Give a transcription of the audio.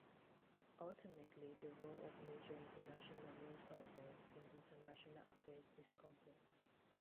Ultimately, the role of major international news outlets in international affairs is complex.